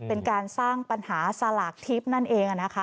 เป็นการสร้างปัญหาสลากทิพย์นั่นเองนะคะ